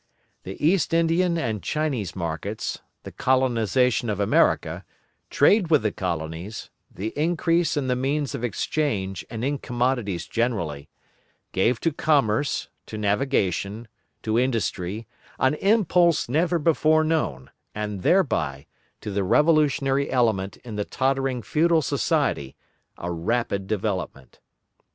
The East Indian and Chinese markets, the colonisation of America, trade with the colonies, the increase in the means of exchange and in commodities generally, gave to commerce, to navigation, to industry, an impulse never before known, and thereby, to the revolutionary element in the tottering feudal society, a rapid development.